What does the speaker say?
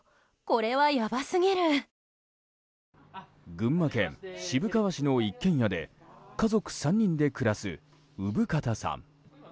群馬県渋川市の一軒家で家族３人で暮らす生方さん。